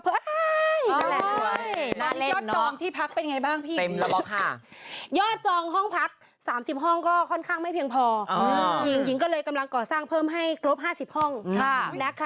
พอทีเห็นที่พี่เชียร์นะหญิงบริก็ดีใจมีความสุข